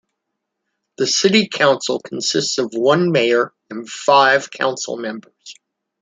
The City Council consists of one Mayor and five Council Members.